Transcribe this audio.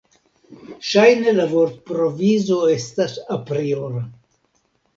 Ŝajne la vortprovizo estas apriora.